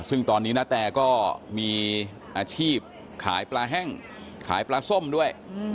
ซึ่งตอนนี้ณแตก็มีอาชีพขายปลาแห้งขายปลาส้มด้วย